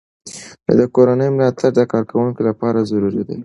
د کورنۍ ملاتړ د کارکوونکو لپاره ضروري دی.